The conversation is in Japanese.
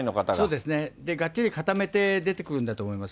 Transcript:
で、がっちり固めて出てくるんだと思います。